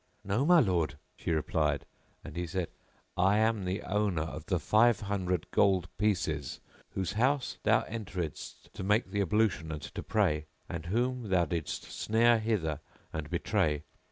"No my lord," she replied, and he said, "I am the owner of the five hundred gold pieces, whose house thou enteredst to make the ablution and to pray, and whom thou didst snare hither and betray."